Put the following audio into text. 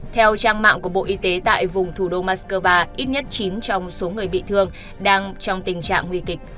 theo trang mạng của bộ y tế tại vùng thủ đô moscow ít nhất chín trong số người bị thương đang trong tình trạng nguy kịch